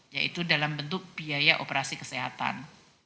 yaitu dalam bentuk biaya operasi kesehatan